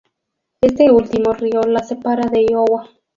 Este último río la separa de Iowa.